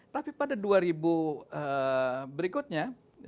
tapi pada berikutnya